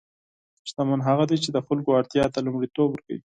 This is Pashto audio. شتمن هغه دی چې د خلکو اړتیا ته لومړیتوب ورکوي.